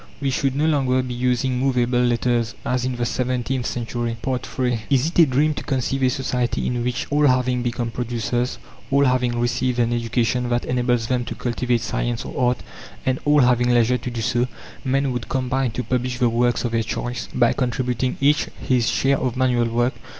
We should no longer be using movable letters, as in the seventeenth century. III Is it a dream to conceive a society in which all having become producers, all having received an education that enables them to cultivate science or art, and all having leisure to do so men would combine to publish the works of their choice, by contributing each his share of manual work?